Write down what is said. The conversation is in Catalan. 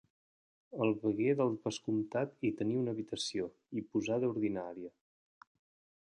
El veguer del vescomtat hi tenia habitació i posada ordinària.